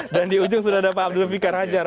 dan di ujung sudah ada pak abdul fikar hajar